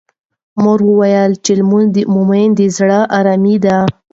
مور مې وویل چې لمونځ د مومن د زړه ارامي ده.